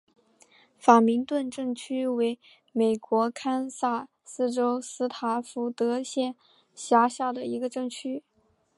法明顿镇区为美国堪萨斯州斯塔福德县辖下的镇区。